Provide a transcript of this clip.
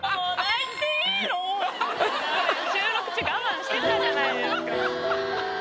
収録中我慢してたじゃないですか。